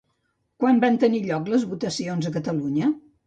Quan van tenir lloc les votacions a Catalunya?